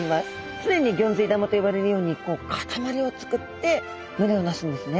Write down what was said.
常にギョンズイ玉と呼ばれるように固まりを作って群れをなすんですね。